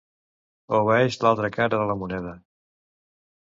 Obeeix l'altra cara de la moneda.